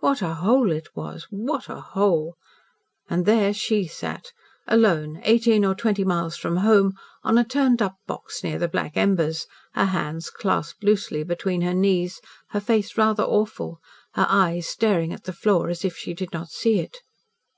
What a hole it was what a hole! And there SHE sat alone eighteen or twenty miles from home on a turned up box near the black embers, her hands clasped loosely between her knees, her face rather awful, her eyes staring at the floor, as if she did not see it.